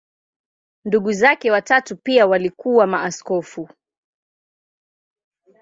Ndugu zake watatu pia walikuwa maaskofu.